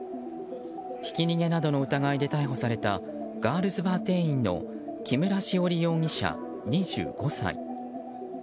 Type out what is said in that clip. ひき逃げなどの疑いで逮捕されたガールズバー店員の木村栞容疑者、２５歳。